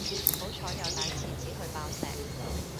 好彩有帶廁紙去爆石